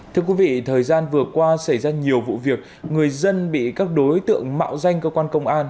thưa quý vị thời gian vừa qua xảy ra nhiều vụ việc người dân bị các đối tượng mạo danh cơ quan công an